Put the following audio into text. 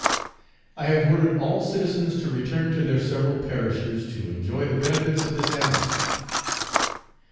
I have ordered all citizens to return to their several parishes to enjoy the benefits of this amnesty.